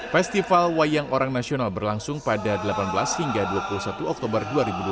festival wayang orang nasional berlangsung pada delapan belas hingga dua puluh satu oktober dua ribu dua puluh